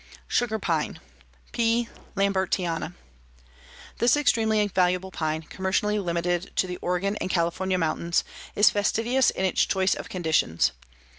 SUGAR PINE (P. Lambertiana) This extremely valuable pine, commercially limited to the Oregon and California mountains, is fastidious in its choice of conditions.